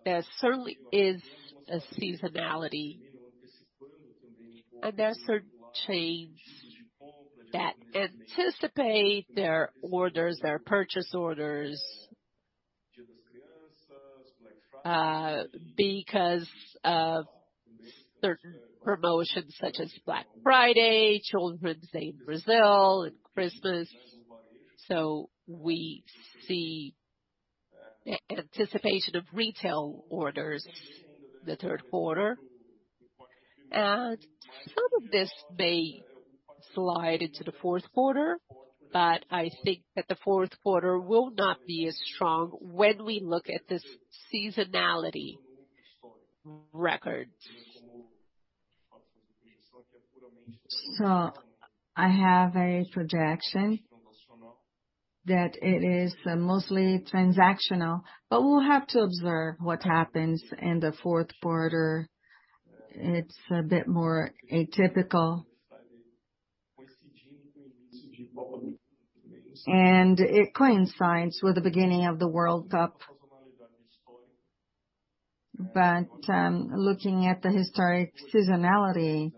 There certainly is a seasonality. There are certain chains that anticipate their orders, their purchase orders, because of certain promotions such as Black Friday, Children's Day in Brazil, and Christmas. We see anticipation of retail orders the third quarter. Some of this may slide into the fourth quarter, but I think that the fourth quarter will not be as strong when we look at this seasonality record. I have a projection that it is mostly transactional, but we'll have to observe what happens in the fourth quarter. It's a bit more atypical. It coincides with the beginning of the World Cup. Looking at the historic seasonality,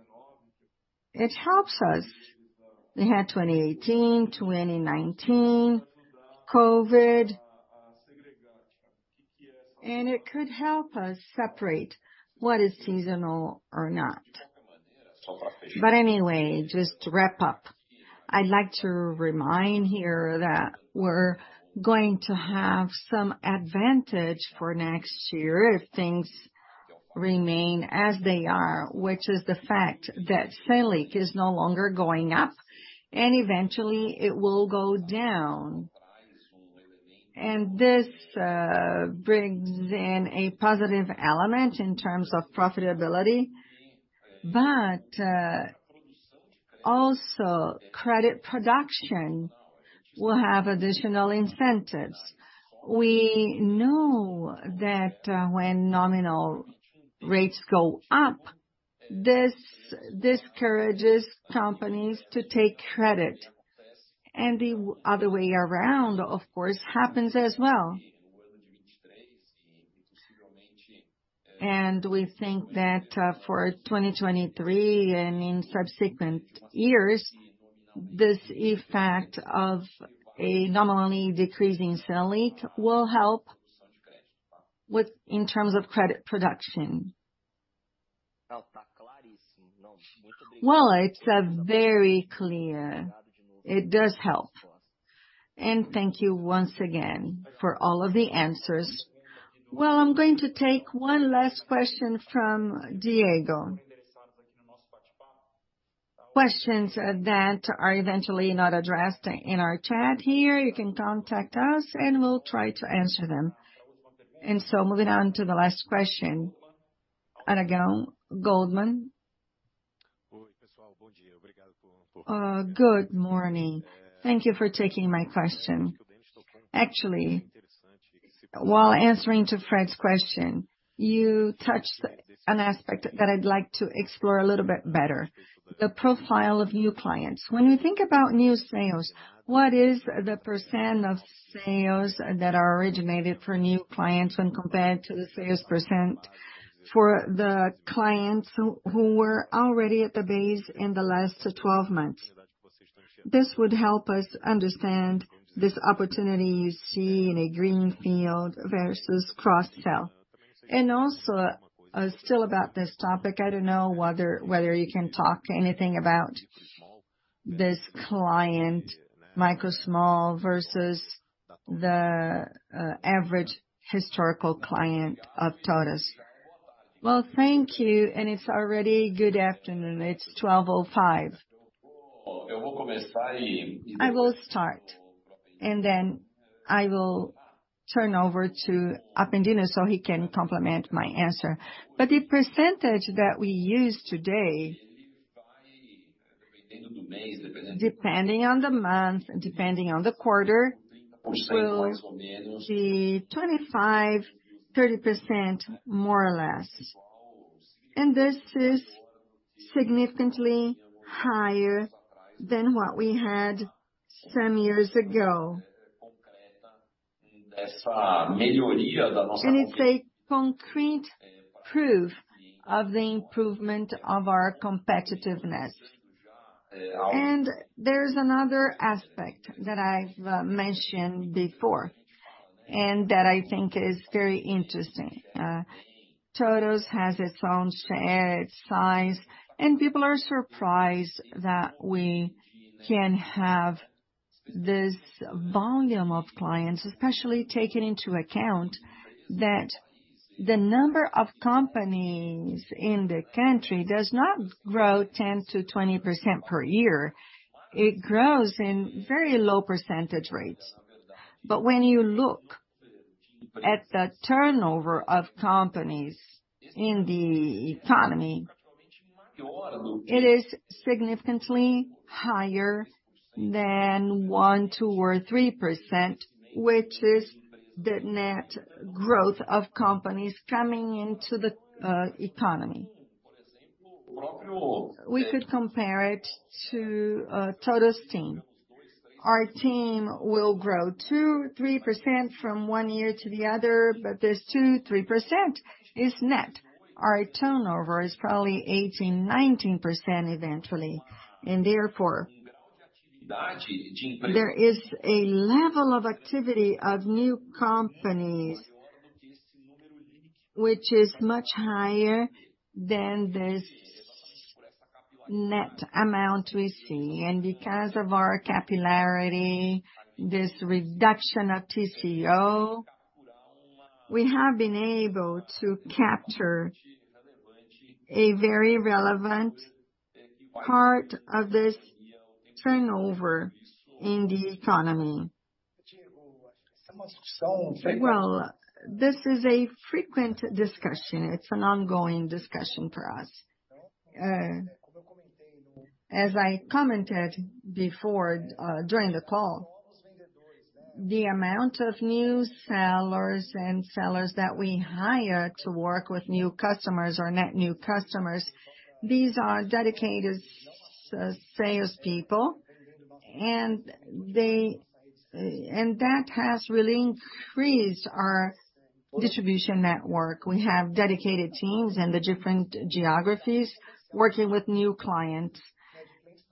it helps us. We had 2018, 2019, COVID. It could help us separate what is seasonal or not. Anyway, just to wrap up, I'd like to remind here that we're going to have some advantage for next year if things remain as they are, which is the fact that Selic is no longer going up, and eventually it will go down. This brings in a positive element in terms of profitability. Also, credit production will have additional incentives. We know that, when nominal rates go up, this discourages companies to take credit. The other way around, of course, happens as well. We think that, for 2023 and in subsequent years, this effect of a nominally decreasing Selic will help with, in terms of credit production. Well, it's very clear. It does help. Thank you once again for all of the answers. Well, I'm going to take one last question from Diego. Questions that are eventually not addressed in our chat here, you can contact us, and we'll try to answer them. Moving on to the last question. Thiago Ojea. Good morning. Thank you for taking my question. Actually, while answering to Fred's question, you touched an aspect that I'd like to explore a little bit better: the profile of new clients. When you think about new sales, what is the % of sales that are originated for new clients when compared to the sales % for the clients who were already at the base in the last 12 months? This would help us understand this opportunity you see in a greenfield versus cross-sell. Still about this topic, I don't know whether you can talk anything about this client, micro small versus the average historical client of TOTVS. Well, thank you, and it's already good afternoon. It's 12:05 P.M. I will start, and then I will turn over to Apendino, so he can complement my answer. The percentage that we use today, depending on the month and depending on the quarter, will be 25%-30% more or less. This is significantly higher than what we had some years ago. It's a concrete proof of the improvement of our competitiveness. There's another aspect that I've mentioned before, and that I think is very interesting. TOTVS has its own size, and people are surprised that we can have this volume of clients, especially taking into account that the number of companies in the country does not grow 10%-20% per year. It grows in very low percentage rates. When you look at the turnover of companies in the economy, it is significantly higher than 1, 2, or 3%, which is the net growth of companies coming into the economy. We could compare it to TOTVS team. Our team will grow 2, 3% from one year to the other, but this 2, 3% is net. Our turnover is probably 18, 19% eventually. Therefore, there is a level of activity of new companies which is much higher than this net amount we see. Because of our capillarity, this reduction of TCO, we have been able to capture a very relevant part of this turnover in the economy. Well, this is a frequent discussion. It's an ongoing discussion for us. As I commented before, during the call, the amount of new sellers and sellers that we hire to work with new customers or net new customers, these are dedicated salespeople, and that has really increased our distribution network. We have dedicated teams in the different geographies working with new clients.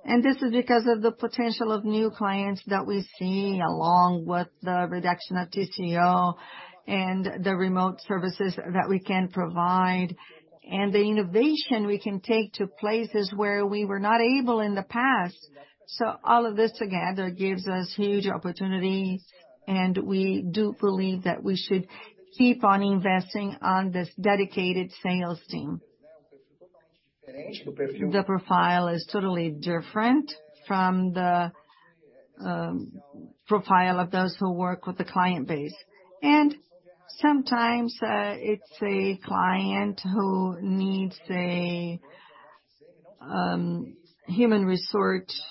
This is because of the potential of new clients that we're seeing, along with the reduction of TCO and the remote services that we can provide, and the innovation we can take to places where we were not able in the past. All of this together gives us huge opportunities, and we do believe that we should keep on investing on this dedicated sales team. The profile is totally different from the profile of those who work with the client base. Sometimes it's a client who needs a human resource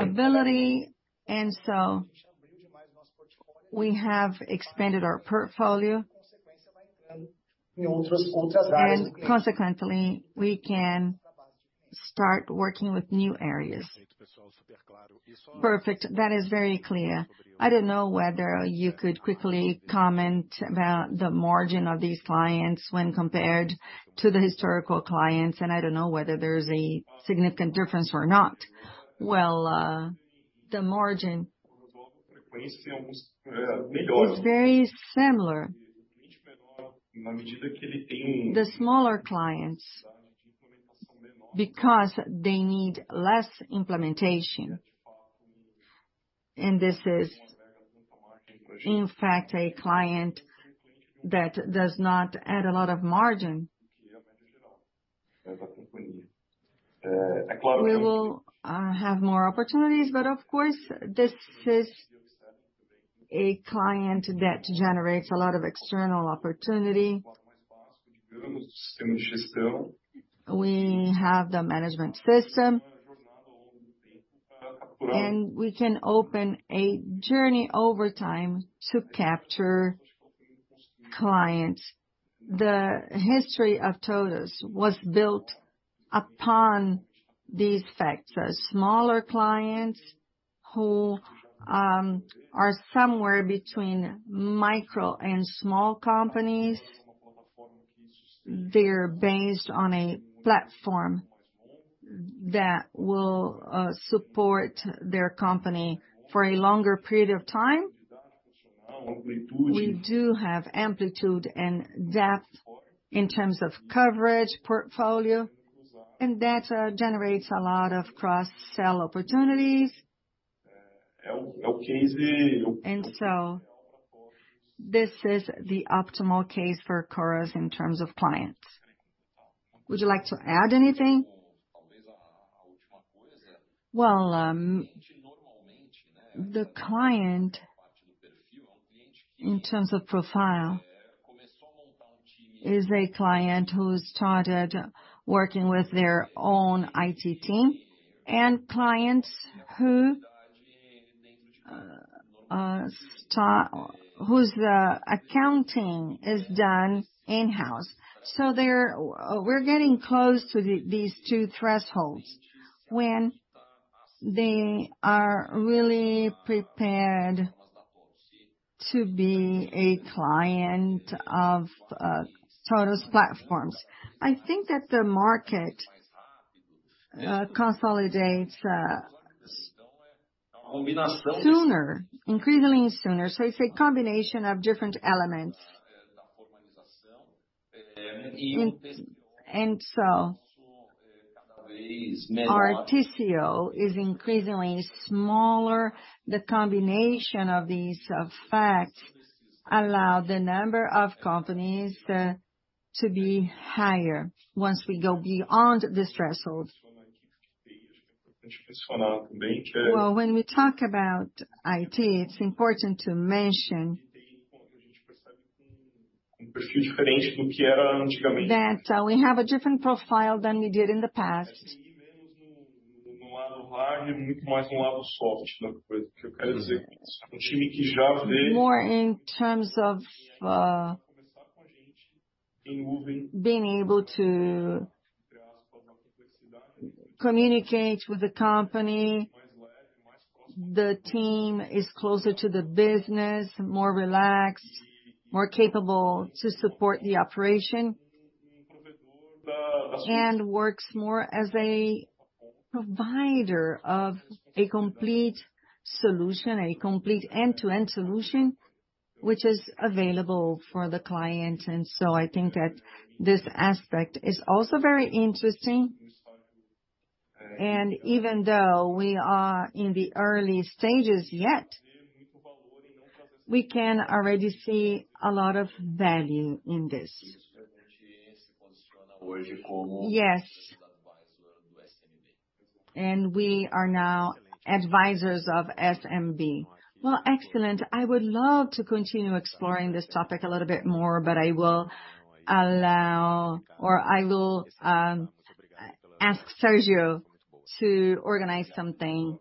ability. We have expanded our portfolio. Consequently, we can start working with new areas. Perfect. That is very clear. I don't know whether you could quickly comment about the margin of these clients when compared to the historical clients. I don't know whether there's a significant difference or not. The margin is very similar. The smaller clients, because they need less implementation, and this is in fact a client that does not add a lot of margin. We will have more opportunities, but of course, this is a client that generates a lot of external opportunity. We have the management system. We can open a journey over time to capture clients. The history of TOTVS was built upon these factors. Smaller clients who are somewhere between micro and small companies, they're based on a platform that will support their company for a longer period of time. We do have amplitude and depth in terms of coverage, portfolio, and that generates a lot of cross-sell opportunities. This is the optimal case for Coros in terms of clients. Would you like to add anything? Well, the client, in terms of profile, is a client who started working with their own IT team and clients whose accounting is done in-house. We're getting close to these two thresholds when they are really prepared to be a client of TOTVS platforms. I think that the market consolidates sooner, increasingly sooner. It's a combination of different elements. Our TCO is increasingly smaller. The combination of these facts allow the number of companies to be higher once we go beyond this threshold. Well, when we talk about IT, it's important to mention that we have a different profile than we did in the past. More in terms of being able to communicate with the company. The team is closer to the business, more relaxed, more capable to support the operation. Works more as a provider of a complete solution, a complete end-to-end solution which is available for the client. I think that this aspect is also very interesting. Even though we are in the early stages yet, we can already see a lot of value in this. Yes. We are now advisors of SMB. Well, excellent. I would love to continue exploring this topic a little bit more, but I will ask Sérgio to organize something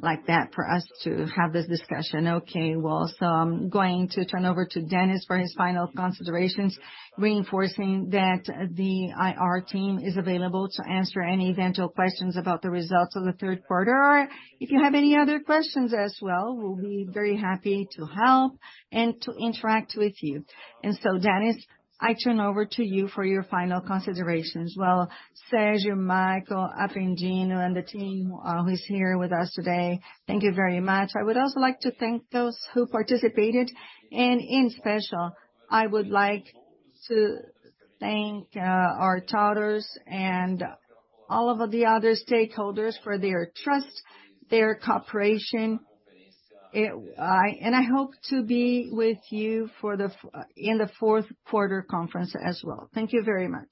like that for us to have this discussion. Okay. Well, I'm going to turn over to Dennis for his final considerations, reinforcing that the IR team is available to answer any eventual questions about the results of the third quarter. If you have any other questions as well, we'll be very happy to help and to interact with you. Dennis, I turn over to you for your final considerations. Well, Sérgio, Maia, Apendino, and the team who's here with us today, thank you very much. I would also like to thank those who participated. Especially, I would like to thank our shareholders and all of the other stakeholders for their trust, their cooperation. I hope to be with you for the fourth quarter conference as well. Thank you very much.